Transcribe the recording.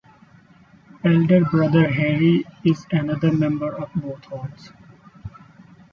Elder brother Harry is another member of both Halls.